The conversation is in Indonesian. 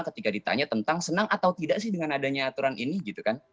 ketika ditanya tentang senang atau tidak sih dengan adanya aturan ini gitu kan